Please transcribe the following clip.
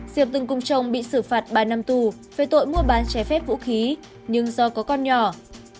diệp từng cùng chồng bị xử phạt ba năm tù về tội mua bán trái phép vũ khí nhưng do có con nhỏ